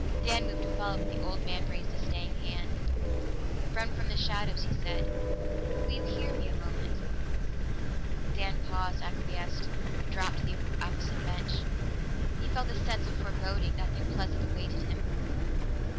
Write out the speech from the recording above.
Dan moved to follow, but the old man raised a staying hand. "Friend from the shadows," he said, "will you hear me a moment?" Dan paused, acquiesced, and dropped to the opposite bench. He felt a sense of foreboding; nothing pleasant awaited him.